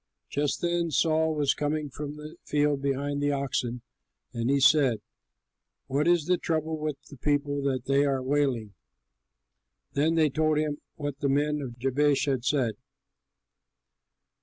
Just then Saul was coming from the field behind the oxen, and he said, "What is the trouble with the people that they are wailing?" Then they told him what the men of Jabesh had said.